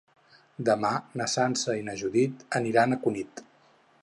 Demà na Sança i na Judit aniran a Cunit.